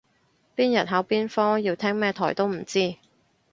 邊日考邊科要聽咩台都唔知